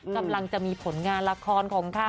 กำลังจะมีผลงานละครของเขา